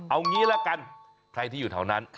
เอางี้ละกันใครที่อยู่แถวนั้น